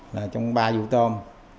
là trong ba vụ tôm